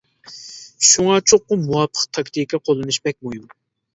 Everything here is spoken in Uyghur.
شۇڭا چوقۇم مۇۋاپىق تاكتىكا قوللىنىش بەك مۇھىم.